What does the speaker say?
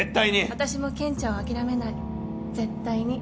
私も健ちゃんを諦めない絶対に。